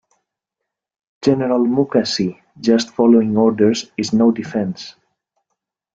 General Mukasey, just following orders is no defense!